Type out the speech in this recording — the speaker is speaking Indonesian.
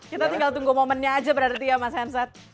kita tinggal tunggu momennya aja berarti ya mas hensat